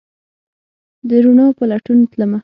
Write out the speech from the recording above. د روڼا په لټون تلمه